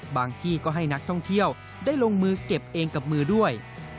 ที่ก็ให้นักท่องเที่ยวได้ลงมือเก็บเองกับมือด้วย